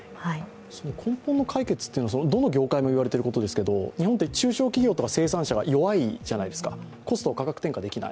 根本の解決というのはどの業界も言われていることですけれども日本って中小企業とか生産者が弱いじゃないですか、コストを価格転嫁できない。